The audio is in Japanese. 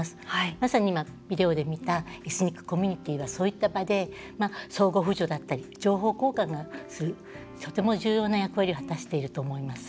まさに今、ビデオで見たエスニックコミュニティーはそういった場で相互扶助だったり情報交換するとても重要な役割を果たしていると思います。